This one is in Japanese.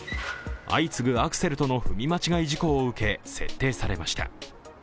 相次ぐアクセルとの踏み間違い事故を受け、設定されました。